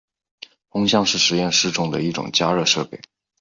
烘箱是实验室中的一种加热设备。